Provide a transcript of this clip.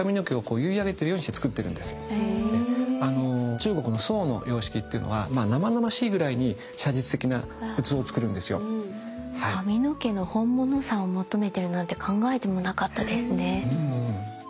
中国の宋の様式っていうのは生々しいぐらいに髪の毛の本物さを求めてるなんて考えてもなかったですね。